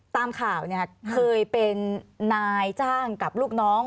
ตามข่าวเนี่ยเคยเป็นนายจ้างกับลูกน้อง